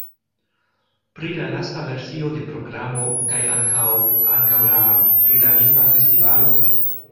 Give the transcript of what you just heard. Pri la lasta versio de programo kaj ankaŭ... ankaŭ la... pri la lingva festivalo?